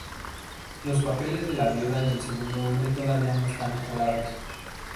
Los papeles de la viuda y el segundo hombre todavía no están claros.